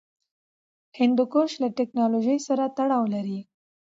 هندوکش له تکنالوژۍ سره تړاو لري.